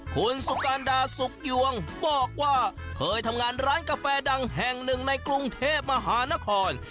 คุณสุการดาสุกยวงบอกว่าเคยทำงานร้านกาแฟดังแห่งหนึ่งในกรุงเทพมหานคร